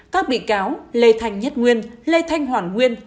các bị cáo lê thanh nhất nguyên lê thanh hoàn nguyên